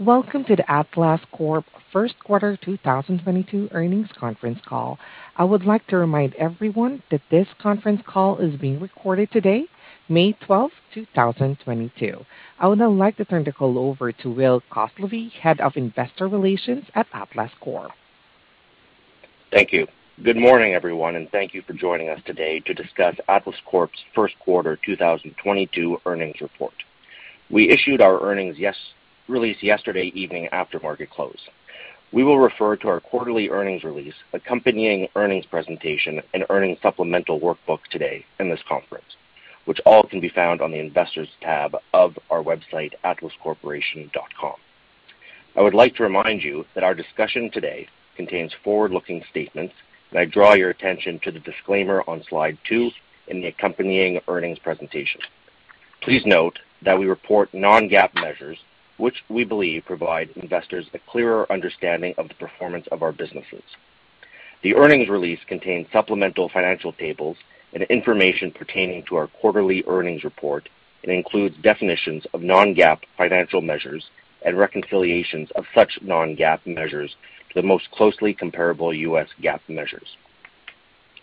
Welcome to the Atlas Corp first quarter 2022 earnings conference call. I would like to remind everyone that this conference call is being recorded today, May 12, 2022. I would now like to turn the call over to Will Kostlivy, Head of Investor Relations at Atlas Corp. Thank you. Good morning, everyone, and thank you for joining us today to discuss Atlas Corp's first quarter 2022 earnings report. We issued our earnings release yesterday evening after market close. We will refer to our quarterly earnings release, accompanying earnings presentation, and earnings supplemental workbook today in this conference, which all can be found on the investors tab of our website, atlascorporation.com. I would like to remind you that our discussion today contains forward-looking statements, and I draw your attention to the disclaimer on slide 2 in the accompanying earnings presentation. Please note that we report non-GAAP measures, which we believe provide investors a clearer understanding of the performance of our businesses. The earnings release contains supplemental financial tables and information pertaining to our quarterly earnings report and includes definitions of non-GAAP financial measures and reconciliations of such non-GAAP measures to the most closely comparable US GAAP measures.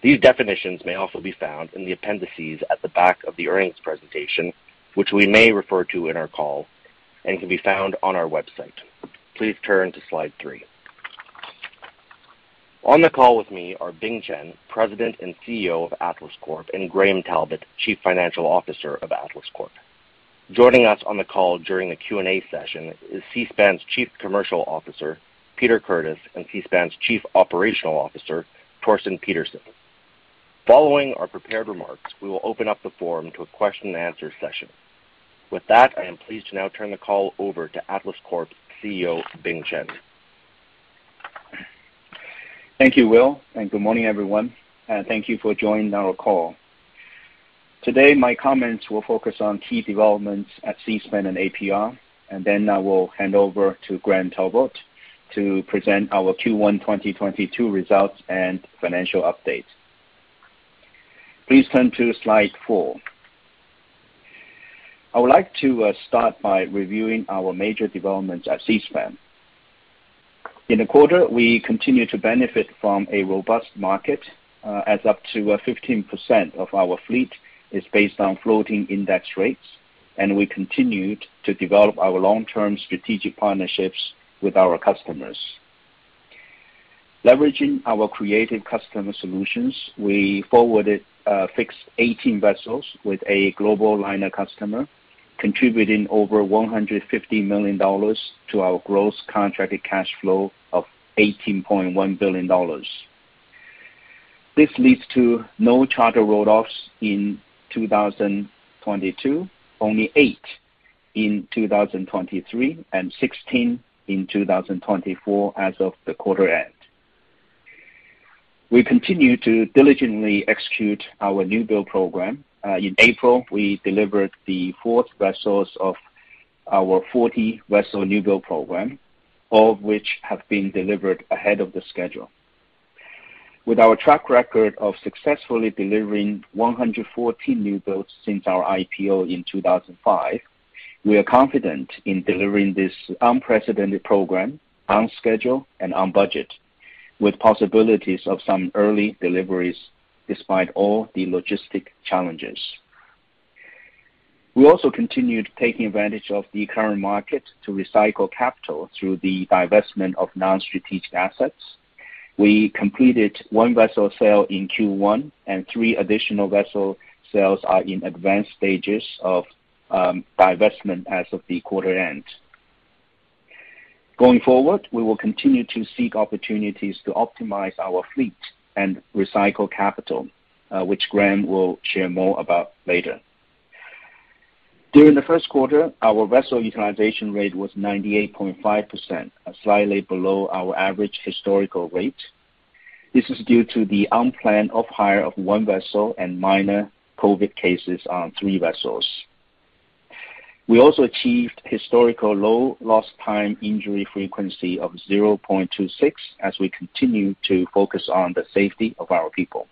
These definitions may also be found in the appendices at the back of the earnings presentation, which we may refer to in our call and can be found on our website. Please turn to slide three. On the call with me are Bing Chen, President and CEO of Atlas Corp., and Graham Talbot, Chief Financial Officer of Atlas Corp. Joining us on the call during the Q&A session is Seaspan's Chief Commercial Officer, Peter Curtis, and Seaspan's Chief Operating Officer, Torsten Pedersen. Following our prepared remarks, we will open up the forum to a question and answer session. With that, I am pleased to now turn the call over to Atlas Corp.'s CEO, Bing Chen. Thank you, Will, and good morning, everyone, and thank you for joining our call. Today, my comments will focus on key developments at Seaspan and APR, and then I will hand over to Graham Talbot to present our Q1 2022 results and financial updates. Please turn to slide 4. I would like to start by reviewing our major developments at Seaspan. In the quarter, we continued to benefit from a robust market, as up to 15% of our fleet is based on floating index rates, and we continued to develop our long-term strategic partnerships with our customers. Leveraging our creative customer solutions, we forward fixed 18 vessels with a global liner customer, contributing over $150 million to our gross contracted cash flow of $18.1 billion. This leads to no charter write-offs in 2022, only eight in 2023, and 16 in 2024 as of the quarter end. We continue to diligently execute our new-build program. In April, we delivered the fourth vessels of our 40-vessel new-build program, all of which have been delivered ahead of the schedule. With our track record of successfully delivering 114 new builds since our IPO in 2005, we are confident in delivering this unprecedented program on schedule and on budget, with possibilities of some early deliveries despite all the logistic challenges. We also continued taking advantage of the current market to recycle capital through the divestment of non-strategic assets. We completed one vessel sale in Q1, and three additional vessel sales are in advanced stages of divestment as of the quarter end. Going forward, we will continue to seek opportunities to optimize our fleet and recycle capital, which Graham will share more about later. During the first quarter, our vessel utilization rate was 98.5%, slightly below our average historical rate. This is due to the unplanned off-hire of one vessel and minor COVID cases on three vessels. We also achieved historical low lost time injury frequency of 0.26 as we continue to focus on the safety of our people.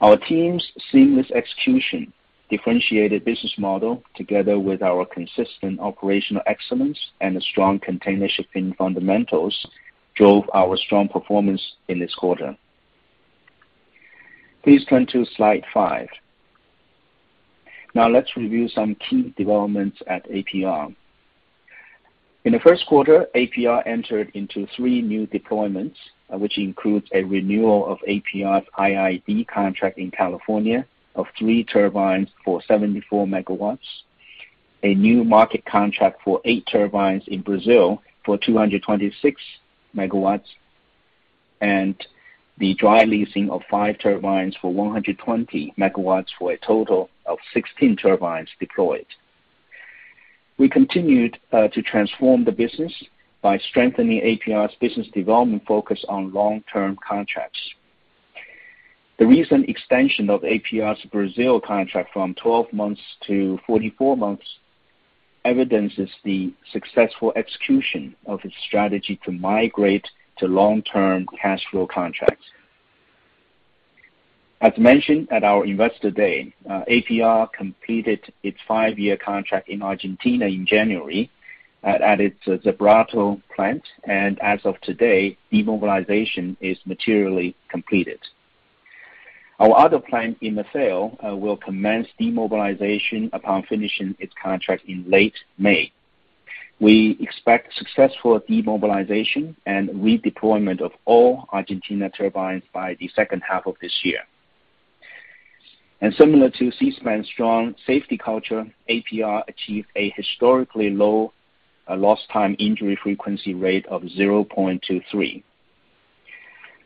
Our team's seamless execution differentiated business model, together with our consistent operational excellence and the strong container shipping fundamentals, drove our strong performance in this quarter. Please turn to slide five. Now let's review some key developments at APR. In the first quarter, APR entered into three new deployments, which includes a renewal of APR's IID contract in California of three turbines for 74 MW, a new market contract for eight turbines in Brazil for 226 MW, and the dry leasing of five turbines for 120 MW for a total of 16 turbines deployed. We continued to transform the business by strengthening APR's business development focus on long-term contracts. The recent extension of APR's Brazil contract from 12 months to 44 months evidences the successful execution of its strategy to migrate to long-term cash flow contracts. As mentioned at our Investor Day, APR completed its 5-year contract in Argentina in January at its Zárate plant. As of today, demobilization is materially completed. Our other plant in Salta will commence demobilization upon finishing its contract in late May. We expect successful demobilization and redeployment of all Argentina turbines by the second half of this year. Similar to Seaspan's strong safety culture, APR achieved a historically low lost time injury frequency rate of 0.23.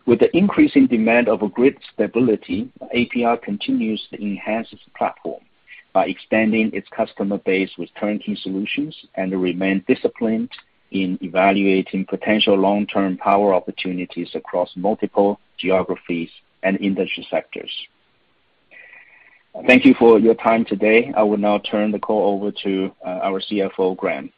With the increasing demand for grid stability, APR continues to enhance its platform by expanding its customer base with turnkey solutions and to remain disciplined in evaluating potential long-term power opportunities across multiple geographies and industry sectors. Thank you for your time today. I will now turn the call over to our CFO, Graham.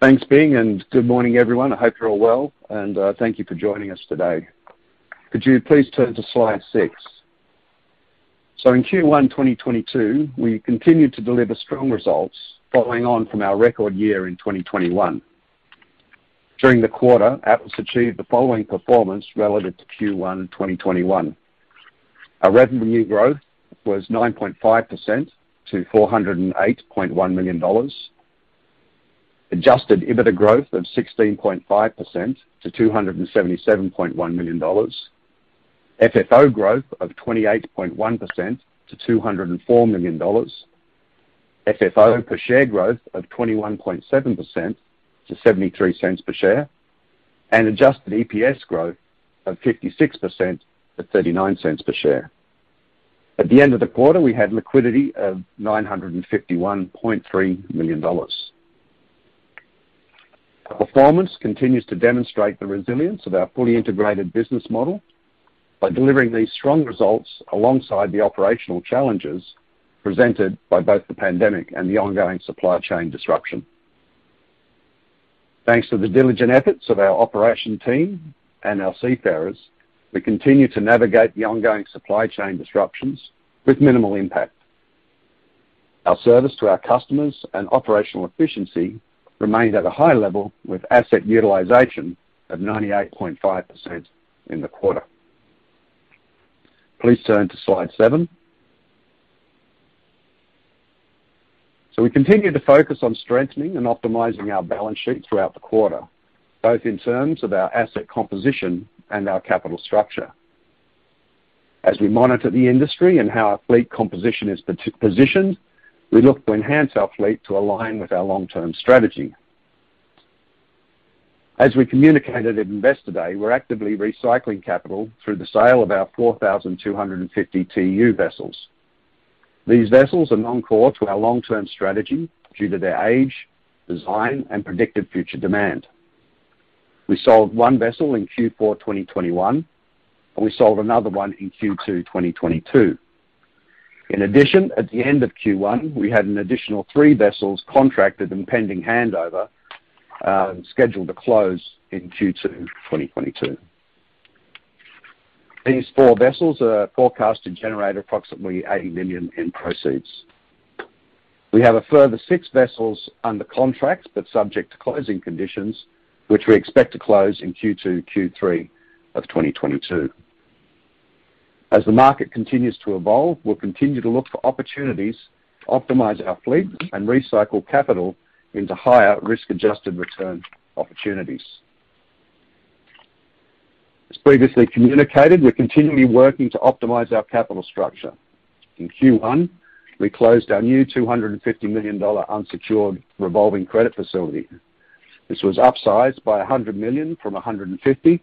Thanks, Bing, and good morning, everyone. I hope you're all well, and thank you for joining us today. Could you please turn to slide 6? In Q1 2022, we continued to deliver strong results following on from our record year in 2021. During the quarter, Atlas achieved the following performance relative to Q1 2021. Our revenue growth was 9.5% to $408.1 million. Adjusted EBITDA growth of 16.5% to $277.1 million. FFO growth of 28.1% to $204 million. FFO per share growth of 21.7% to $0.73 per share. Adjusted EPS growth of 56% to $0.39 per share. At the end of the quarter, we had liquidity of $951.3 million. Our performance continues to demonstrate the resilience of our fully integrated business model by delivering these strong results alongside the operational challenges presented by both the pandemic and the ongoing supply chain disruption. Thanks to the diligent efforts of our operation team and our seafarers, we continue to navigate the ongoing supply chain disruptions with minimal impact. Our service to our customers and operational efficiency remained at a high level, with asset utilization of 98.5% in the quarter. Please turn to slide 7. We continued to focus on strengthening and optimizing our balance sheet throughout the quarter, both in terms of our asset composition and our capital structure. As we monitor the industry and how our fleet composition is positioned, we look to enhance our fleet to align with our long-term strategy. As we communicated at Investor Day, we're actively recycling capital through the sale of our 4,250 TEU vessels. These vessels are non-core to our long-term strategy due to their age, design, and predicted future demand. We sold one vessel in Q4 2021, and we sold another one in Q2 2022. In addition, at the end of Q1, we had an additional three vessels contracted and pending handover, scheduled to close in Q2 2022. These four vessels are forecast to generate approximately $80 million in proceeds. We have a further six vessels under contract but subject to closing conditions, which we expect to close in Q2, Q3 of 2022. As the market continues to evolve, we'll continue to look for opportunities to optimize our fleet and recycle capital into higher risk-adjusted return opportunities. As previously communicated, we're continually working to optimize our capital structure. In Q1, we closed our new $250 million unsecured revolving credit facility. This was upsized by $100 million from $150 million,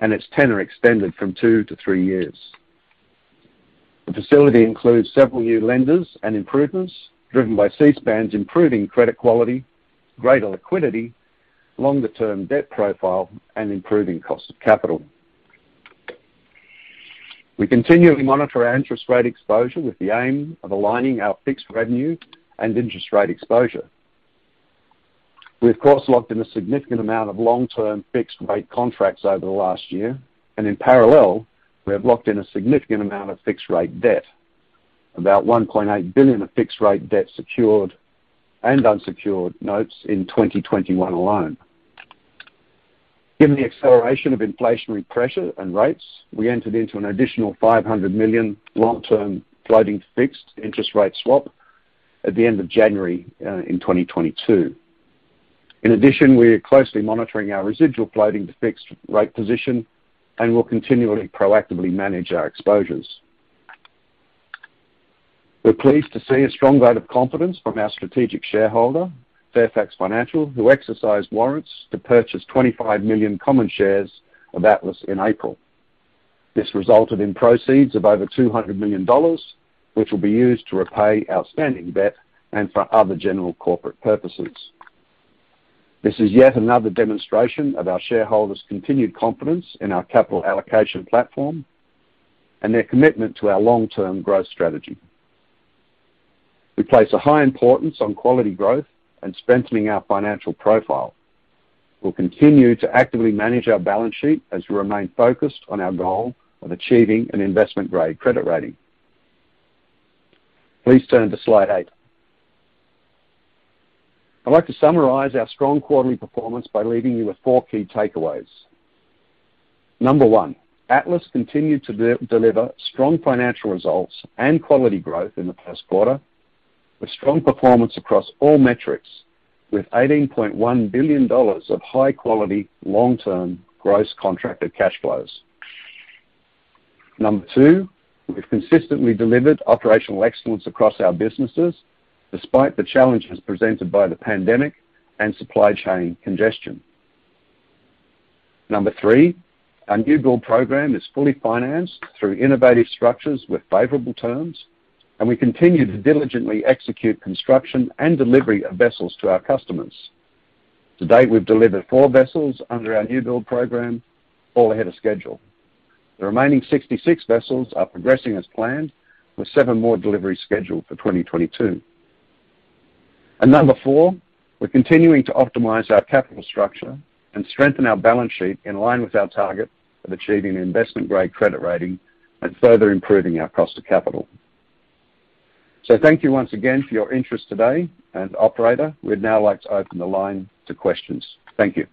and its tenor extended from two to three years. The facility includes several new lenders and improvements driven by Seaspan's improving credit quality, greater liquidity, longer-term debt profile, and improving cost of capital. We continually monitor our interest rate exposure with the aim of aligning our fixed revenue and interest rate exposure. We, of course, locked in a significant amount of long-term fixed rate contracts over the last year, and in parallel, we have locked in a significant amount of fixed rate debt. About $1.8 billion of fixed rate debt secured and unsecured notes in 2021 alone. Given the acceleration of inflationary pressure and rates, we entered into an additional $500 million long-term floating-to-fixed interest rate swap at the end of January in 2022. In addition, we are closely monitoring our residual floating to fixed rate position and will continually proactively manage our exposures. We're pleased to see a strong vote of confidence from our strategic shareholder, Fairfax Financial, who exercised warrants to purchase 25 million common shares of Atlas in April. This resulted in proceeds of over $200 million, which will be used to repay outstanding debt and for other general corporate purposes. This is yet another demonstration of our shareholders' continued confidence in our capital allocation platform and their commitment to our long-term growth strategy. We place a high importance on quality growth and strengthening our financial profile. We'll continue to actively manage our balance sheet as we remain focused on our goal of achieving an investment-grade credit rating. Please turn to slide 8. I'd like to summarize our strong quarterly performance by leaving you with four key takeaways. Number one, Atlas continued to deliver strong financial results and quality growth in the past quarter, with strong performance across all metrics, with $18.1 billion of high quality long-term gross contracted cash flow. Number two, we've consistently delivered operational excellence across our businesses, despite the challenges presented by the pandemic and supply chain congestion. Number three, our new-build program is fully financed through innovative structures with favorable terms, and we continue to diligently execute construction and delivery of vessels to our customers. To date, we've delivered four vessels under our new-build program, all ahead of schedule. The remaining 66 vessels are progressing as planned, with seven more deliveries scheduled for 2022. Number four, we're continuing to optimize our capital structure and strengthen our balance sheet in line with our target of achieving investment-grade credit rating and further improving our cost of capital. Thank you once again for your interest today, and operator, we'd now like to open the line to questions. Thank you.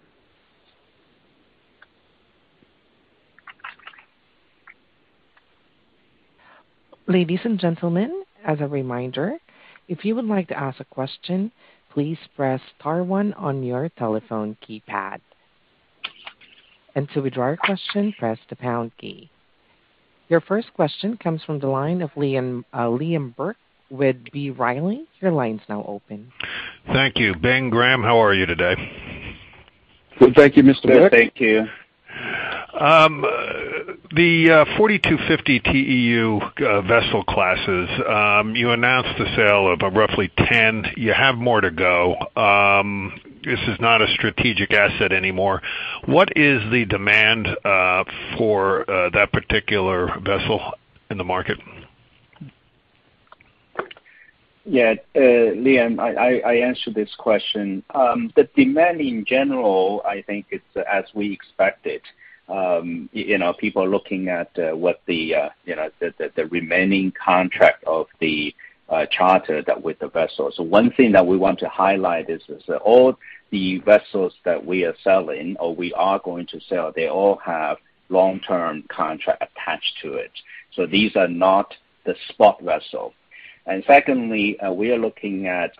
Ladies and gentlemen, as a reminder, if you would like to ask a question, please press star one on your telephone keypad. To withdraw your question, press the pound key. Your first question comes from the line of Liam Burke with B. Riley. Your line's now open. Thank you. Bing, Graham, how are you today? Good. Thank you, Mr. Burke. Thank you. The 4,250 TEU vessel classes, you announced the sale of roughly 10. You have more to go. This is not a strategic asset anymore. What is the demand for that particular vessel in the market? Yeah, Liam, I answered this question. The demand in general, I think is as we expected. You know, people are looking at what the, you know, the remaining contract of the charter that with the vessel. One thing that we want to highlight is this, that all the vessels that we are selling or we are going to sell, they all have long-term contract attached to it. These are not the spot vessel. Secondly, we are looking at,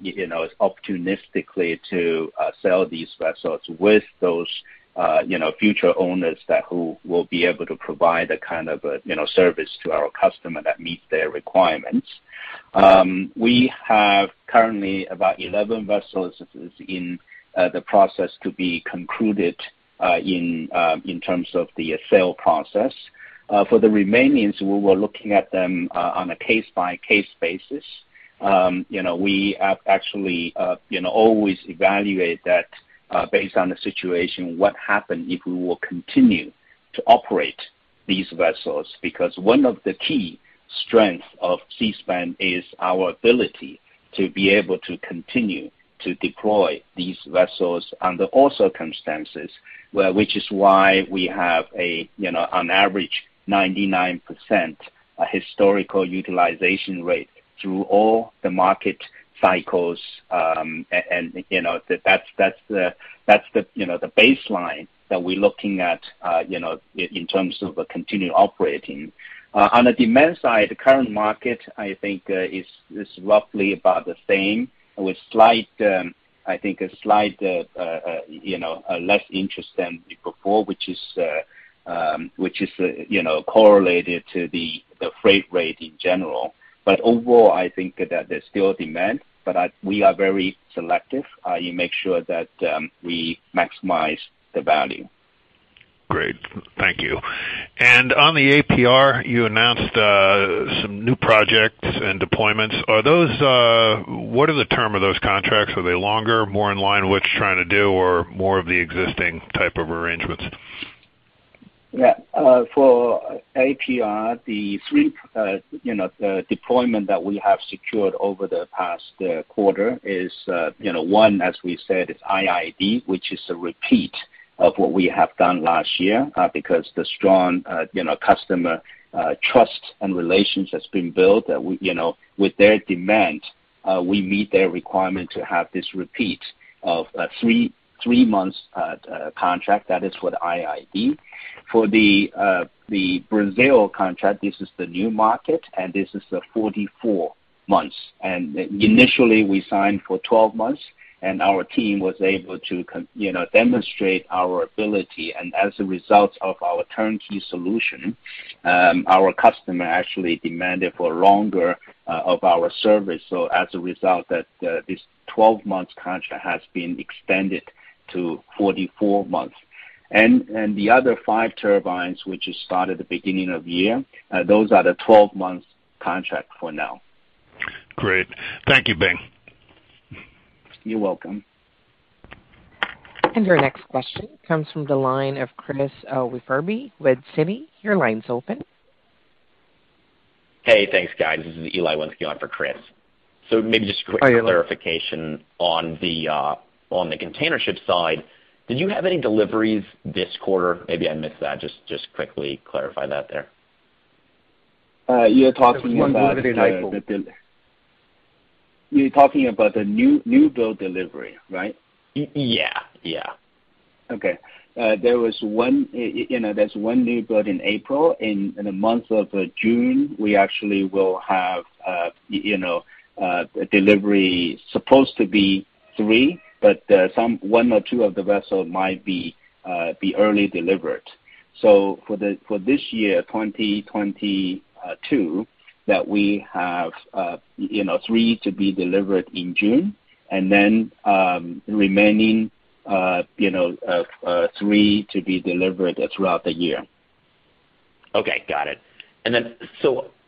you know, opportunistically to sell these vessels with those, you know, future owners that who will be able to provide a kind of a, you know, service to our customer that meets their requirements. We have currently about 11 vessels in the process to be concluded in terms of the sale process. For the remaining, we were looking at them on a case-by-case basis. You know, we have actually you know, always evaluate that based on the situation, what happened if we will continue to operate these vessels, because one of the key strengths of Seaspan is our ability to be able to continue to deploy these vessels under all circumstances, which is why we have a you know, on average 99% historical utilization rate through all the market cycles. You know, that's the baseline that we're looking at you know in terms of continuing operating. On the demand side, the current market, I think, is roughly about the same with a slight, you know, less interest than before, which is, you know, correlated to the freight rate in general. Overall, I think that there's still demand, but we are very selective in making sure that we maximize the value. Great. Thank you. On the APR, you announced some new projects and deployments. What are the terms of those contracts? Are they longer, more in line with what you're trying to do or more of the existing type of arrangements? Yeah. For APR, the three deployments that we have secured over the past quarter is, you know, one, as we said, is IID, which is a repeat of what we have done last year, because the strong, you know, customer trust and relations that's been built, you know, with their demand, we meet their requirement to have this repeat of 3-months contract. That is for the IID. For the Brazil contract, this is the new market, and this is the 44 months. Initially, we signed for 12 months, and our team was able to you know, demonstrate our ability. As a result of our turnkey solution, our customer actually demanded for longer of our service. As a result, that, this 12-month contract has been extended to 44 months. The other five turbines, which has started at the beginning of the year, those are the 12-month contract for now. Great. Thank you, Bing. You're welcome. Your next question comes from the line of Chris Referby, B. Riley. Your line's open. Hey, thanks guys. This is Eli once again for Chris. Maybe just a quick clarification on the containership side, did you have any deliveries this quarter? Maybe I missed that. Just quickly clarify that there. You're talking about the- There was one build in April. You're talking about the new build delivery, right? Yeah. Okay. You know, there's one new build in April. In the month of June, we actually will have you know a delivery supposed to be three, but some one or two of the vessels might be early delivered. For this year, 2022, that we have you know three to be delivered in June and then remaining you know three to be delivered throughout the year. Okay, got it.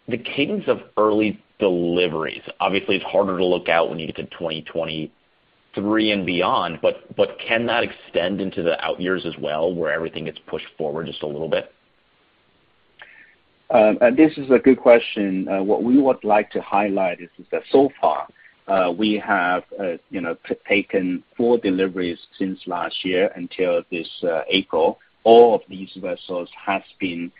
The cadence of early deliveries, obviously it's harder to look out when you get to 2023 and beyond, but can that extend into the out years as well, where everything gets pushed forward just a little bit? This is a good question. What we would like to highlight is that so far, we have, you know, taken four deliveries since last year until this April. All of these vessels has been,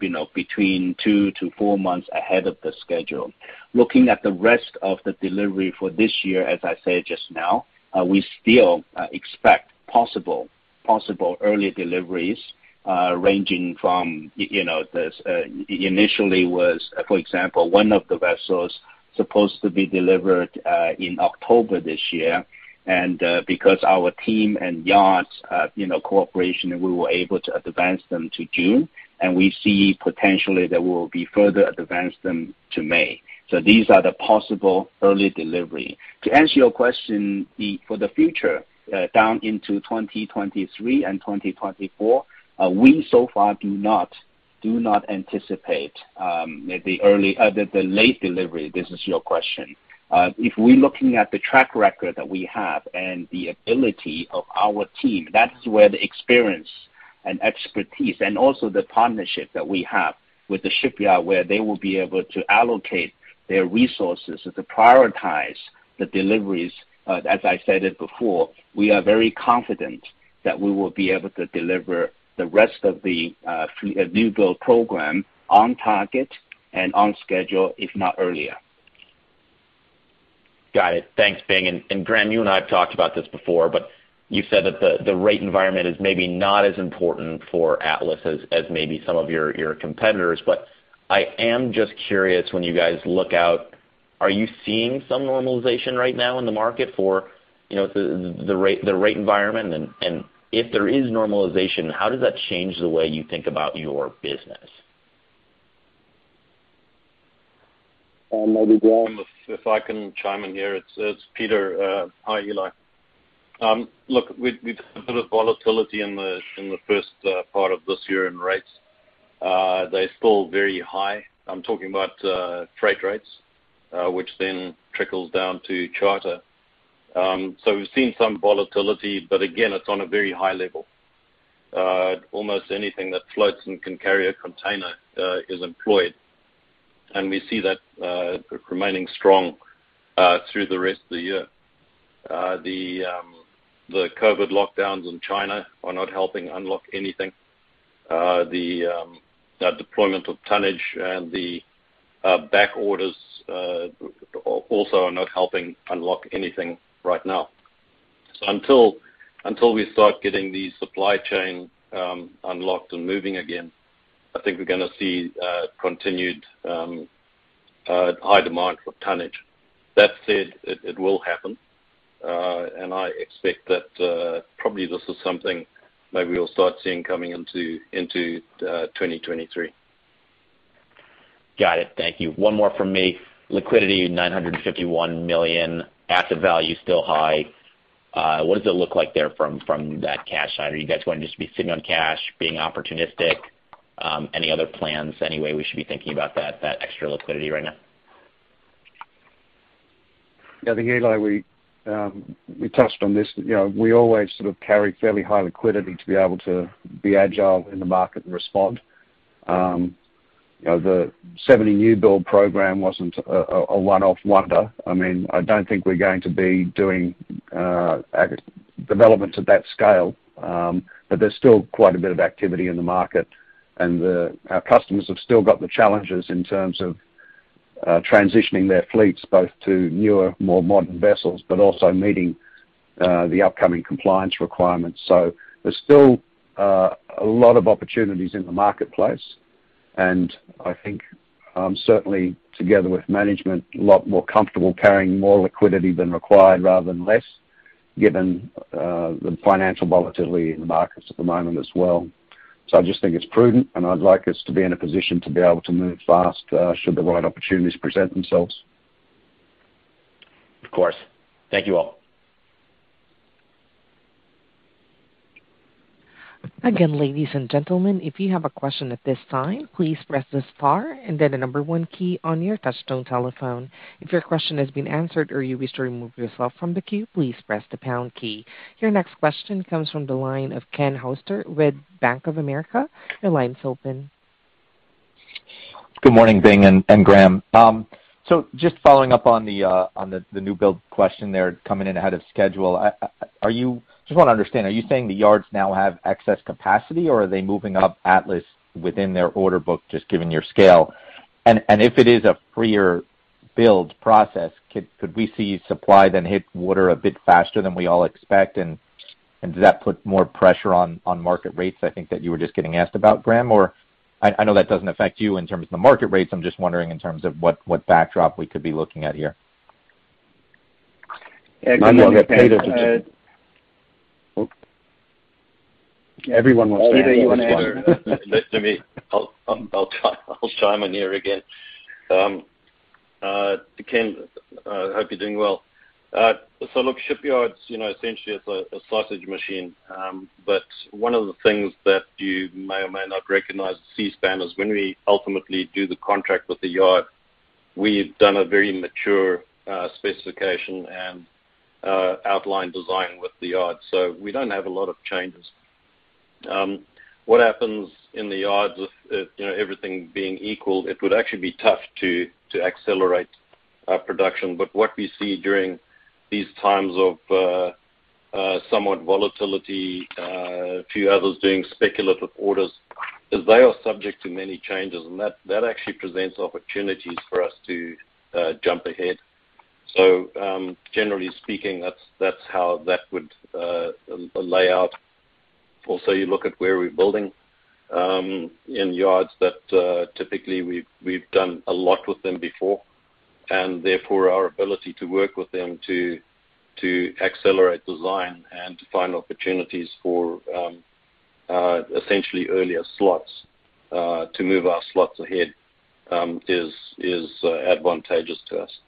you know, between 2-4 months ahead of the schedule. Looking at the rest of the delivery for this year, as I said just now, we still expect possible early deliveries ranging from, you know, this initially was, for example, one of the vessels supposed to be delivered in October this year. Because our team and yards, you know, cooperation, we were able to advance them to June, and we see potentially there will be further advance them to May. These are the possible early delivery. To answer your question, for the future, down into 2023 and 2024, we so far do not anticipate the late delivery. This is your question. If we're looking at the track record that we have and the ability of our team, that's where the experience and expertise and also the partnership that we have with the shipyard where they will be able to allocate their resources to prioritize the deliveries. As I stated before, we are very confident that we will be able to deliver the rest of the new build program on target and on schedule, if not earlier. Got it. Thanks, Bing. Graham, you and I have talked about this before, but you said that the rate environment is maybe not as important for Atlas as maybe some of your competitors. I am just curious, when you guys look out, are you seeing some normalization right now in the market for, you know, the rate environment? If there is normalization, how does that change the way you think about your business? Maybe Graham. If I can chime in here. It's Peter. Hi, Eli. Look, we've had a bit of volatility in the first part of this year in rates. They're still very high. I'm talking about freight rates, which then trickles down to charter. We've seen some volatility, but again, it's on a very high level. Almost anything that floats and can carry a container is employed, and we see that remaining strong through the rest of the year. The COVID lockdowns in China are not helping unlock anything. The deployment of tonnage and the back orders also are not helping unlock anything right now. Until we start getting the supply chain unlocked and moving again, I think we're gonna see continued high demand for tonnage. That said, it will happen, and I expect that probably this is something maybe we'll start seeing coming into 2023. Got it. Thank you. One more from me. Liquidity, $951 million. Asset value, still high. What does it look like there from that cash side? Are you guys going to just be sitting on cash, being opportunistic? Any other plans, any way we should be thinking about that extra liquidity right now? Yeah, I think, Eli, we touched on this. You know, we always sort of carry fairly high liquidity to be able to be agile in the market and respond. You know, the 70 new build program wasn't a one-off wonder. I mean, I don't think we're going to be doing developments of that scale. But there's still quite a bit of activity in the market, and our customers have still got the challenges in terms of transitioning their fleets both to newer, more modern vessels, but also meeting the upcoming compliance requirements. There's still a lot of opportunities in the marketplace. I think certainly together with management, a lot more comfortable carrying more liquidity than required rather than less, given the financial volatility in the markets at the moment as well. I just think it's prudent, and I'd like us to be in a position to be able to move fast, should the right opportunities present themselves. Of course. Thank you all. Again, ladies and gentlemen, if you have a question at this time, please press the star and then the number one key on your touchtone telephone. If your question has been answered or you wish to remove yourself from the queue, please press the pound key. Your next question comes from the line of Ken Hoexter with Bank of America. Your line's open. Good morning, Bing and Graham. Just following up on the new build question there coming in ahead of schedule. Are you just wanna understand, are you saying the yards now have excess capacity, or are they moving up Atlas within their order book just given your scale? If it is a freer build process, could we see supply then hit water a bit faster than we all expect? Does that put more pressure on market rates, I think that you were just getting asked about Graham? I know that doesn't affect you in terms of the market rates. I'm just wondering in terms of what backdrop we could be looking at here. Listen to me. I'll chime in here again. To Ken, hope you're doing well. Look, shipyards, you know, essentially it's a sausage machine. One of the things that you may or may not recognize at Seaspan is when we ultimately do the contract with the yard, we've done a very mature specification and outline design with the yard, so we don't have a lot of changes. What happens in the yards with, you know, everything being equal, it would actually be tough to accelerate production. What we see during these times of somewhat volatility, a few others doing speculative orders, is they are subject to many changes, and that actually presents opportunities for us to jump ahead. Generally speaking, that's how that would lay out. Also, you look at where we're building in yards that typically we've done a lot with them before, and therefore our ability to work with them to accelerate design and to find opportunities for essentially earlier slots to move our slots ahead is advantageous to us.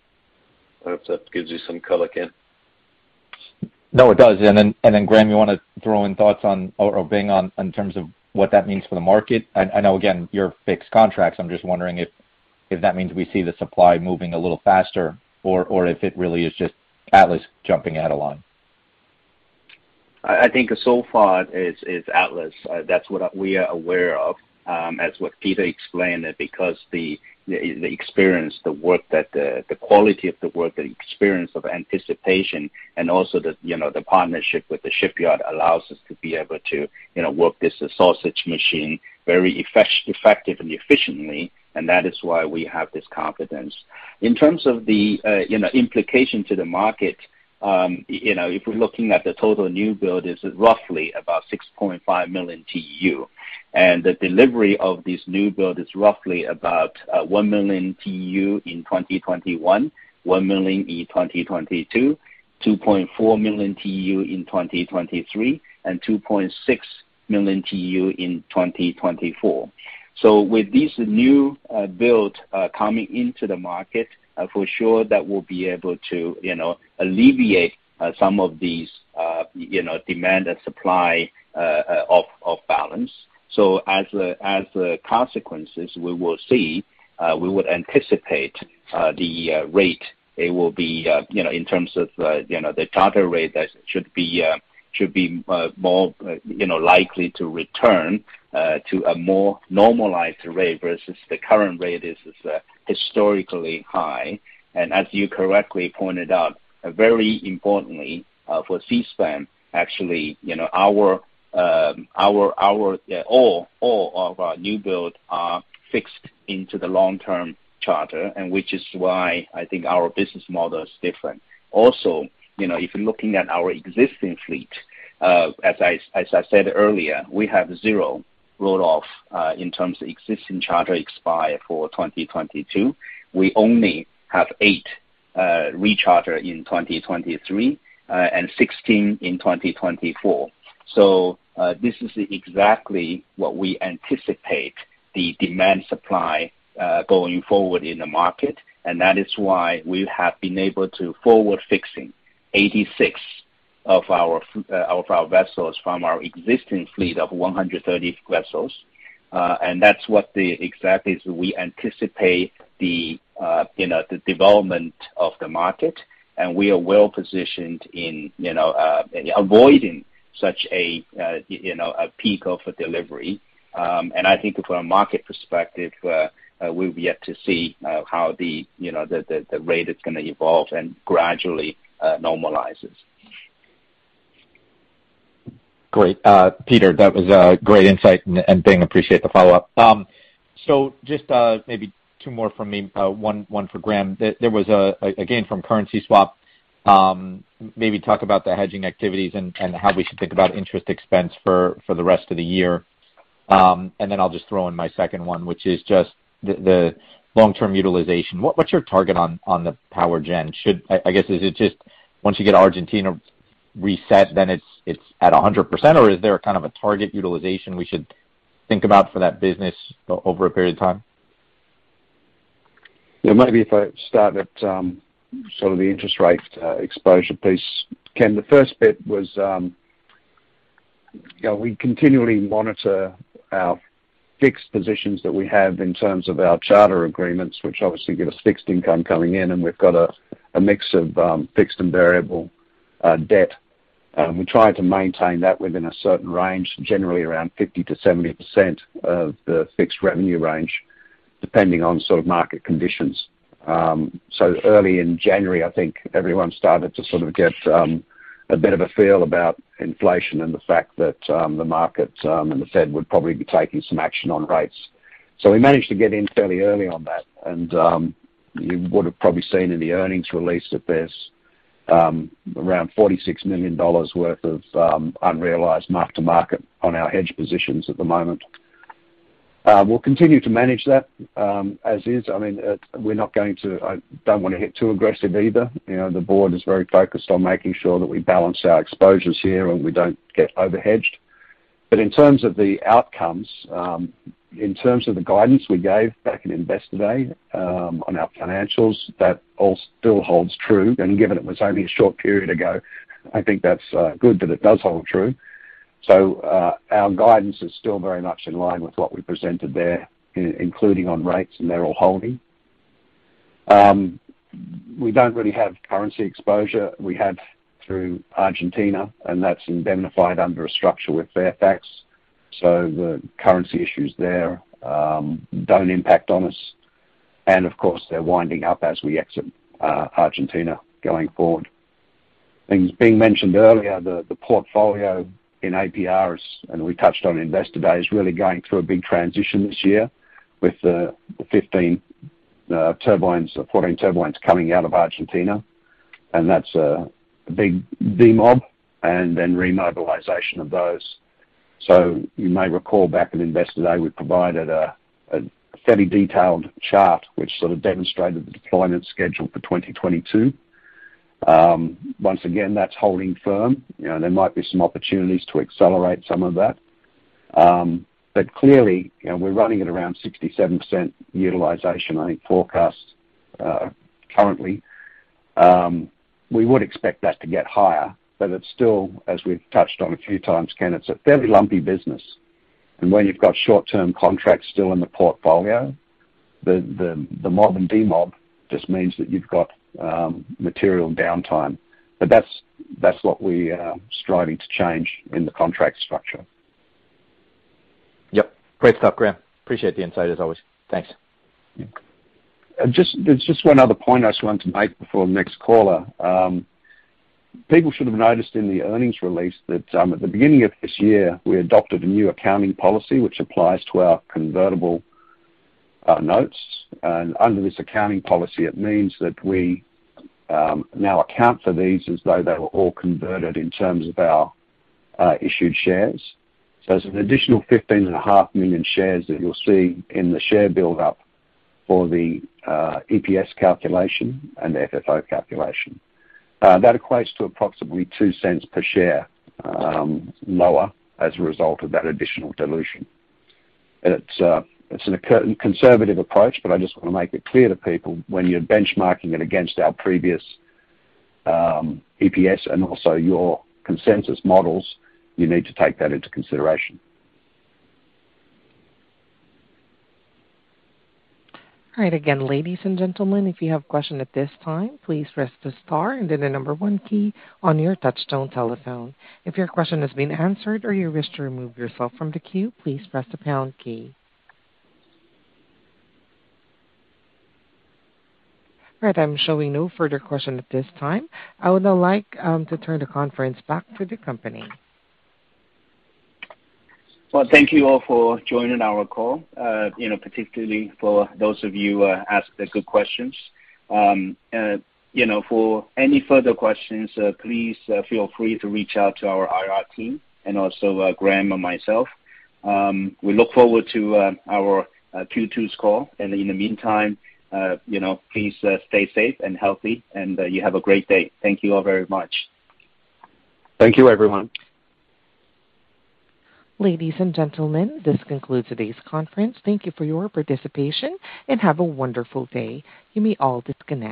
I hope that gives you some color, Ken. No, it does. Graham, you wanna throw in thoughts on or Bing on in terms of what that means for the market? I know again, your fixed contracts. I'm just wondering if that means we see the supply moving a little faster or if it really is just Atlas jumping out ahead. I think so far it's Atlas. That's what we are aware of, as what Peter explained, that because the experience, the quality of the work, the experience of anticipation and also you know the partnership with the shipyard allows us to be able to you know work this sausage machine very effective and efficiently, and that is why we have this confidence. In terms of the you know implication to the market you know if we're looking at the total new build, it's roughly about 6.5 million TEU. The delivery of this new build is roughly about one million TEU in 2021, one million in 2022, 2.4 million TEU in 2023, and 2.6 million TEU in 2024. With this new build coming into the market, for sure that will be able to, you know, alleviate some of these, you know, demand and supply off balance. As the consequences, we would anticipate the rate. It will be, you know, in terms of, you know, the charter rate that should be more, you know, likely to return to a more normalized rate versus the current rate is historically high. As you correctly pointed out, very importantly, for Seaspan, actually, you know, our all of our new build are fixed into the long-term charter, and which is why I think our business model is different. Also, you know, if you're looking at our existing fleet, as I said earlier, we have zero roll-off in terms of existing charter expiries for 2022. We only have eight recharters in 2023 and 16 in 2024. This is exactly what we anticipate the demand supply going forward in the market, and that is why we have been able to forward fixing 86 of our vessels from our existing fleet of 130 vessels. That's exactly. We anticipate, you know, the development of the market, and we are well positioned in, you know, avoiding such a, you know, a peak of delivery. I think from a market perspective, we've yet to see how the, you know, the rate is gonna evolve and gradually normalizes. Great. Peter, that was great insight, and Bing, appreciate the follow-up. So just maybe two more from me, one for Graham. There was again from currency swap, maybe talk about the hedging activities and how we should think about interest expense for the rest of the year. And then I'll just throw in my second one, which is just the long-term utilization. What's your target on the power gen? Should I guess is it just once you get Argentina reset, then it's at 100%, or is there kind of a target utilization we should think about for that business over a period of time? Yeah, maybe if I start at sort of the interest rate exposure piece. Ken, the first bit was you know, we continually monitor our fixed positions that we have in terms of our charter agreements, which obviously give us fixed income coming in, and we've got a mix of fixed and variable debt. We try to maintain that within a certain range, generally around 50%-70% of the fixed revenue range, depending on sort of market conditions. Early in January, I think everyone started to sort of get a bit of a feel about inflation and the fact that the market and the Fed would probably be taking some action on rates. We managed to get in fairly early on that, and you would have probably seen in the earnings release that there's around $46 million worth of unrealized mark-to-market on our hedge positions at the moment. We'll continue to manage that as is. I mean, I don't wanna hit too aggressive either. You know, the board is very focused on making sure that we balance our exposures here, and we don't get over-hedged. But in terms of the outcomes, in terms of the guidance we gave back in Investor Day on our financials, that all still holds true. Given it was only a short period ago, I think that's good that it does hold true. Our guidance is still very much in line with what we presented there, including on rates, and they're all holding. We don't really have currency exposure. We have through Argentina, and that's indemnified under a structure with Fairfax. The currency issues there don't impact on us. Of course, they're winding up as we exit Argentina going forward. As Bing mentioned earlier, the portfolio in APR's, and we touched on Investor Day, is really going through a big transition this year with the 14 turbines coming out of Argentina. That's a big demob and then remobilization of those. You may recall back in Investor Day, we provided a fairly detailed chart which sort of demonstrated the deployment schedule for 2022. Once again, that's holding firm. You know, there might be some opportunities to accelerate some of that. Clearly, you know, we're running at around 67% utilization, I think, forecast currently. We would expect that to get higher, but it's still, as we've touched on a few times, Ken, it's a fairly lumpy business. When you've got short-term contracts still in the portfolio, the mob and demob just means that you've got material downtime. That's what we are striving to change in the contract structure. Yep. Great stuff, Graham. Appreciate the insight as always. Thanks. Yeah. Just, there's just one other point I just wanted to make before the next caller. People should have noticed in the earnings release that, at the beginning of this year, we adopted a new accounting policy which applies to our convertible notes. Under this accounting policy, it means that we now account for these as though they were all converted in terms of our issued shares. It's an additional 15.5 million shares that you'll see in the share build up for the EPS calculation and the FFO calculation. That equates to approximately $0.02 per share lower as a result of that additional dilution. It's a conservative approach, but I just wanna make it clear to people when you're benchmarking it against our previous EPS and also your consensus models, you need to take that into consideration. All right. Again, ladies and gentlemen, if you have a question at this time, please press the star and then the 1 key on your touch-tone telephone. If your question has been answered or you wish to remove yourself from the queue, please press the pound key. All right, I'm showing no further questions at this time. I would now like to turn the conference back to the company. Well, thank you all for joining our call. You know, particularly for those of you asked the good questions. You know, for any further questions, please feel free to reach out to our IR team and also, Graham and myself. We look forward to our Q2's call. In the meantime, you know, please stay safe and healthy, and you have a great day. Thank you all very much. Thank you, everyone. Ladies and gentlemen, this concludes today's conference. Thank you for your participation, and have a wonderful day. You may all disconnect.